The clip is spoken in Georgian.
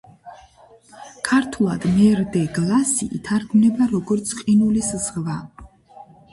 ქართულად მერ-დე-გლასი ითარგმნება როგორც „ყინულის ზღვა“.